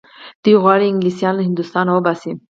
دوی غواړي انګلیسیان له هندوستانه وباسي.